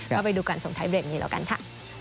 ก็ไปดูกันส่งท้ายเบรกนี้แล้วกันค่ะ